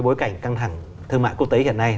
bối cảnh căng thẳng thương mại quốc tế hiện nay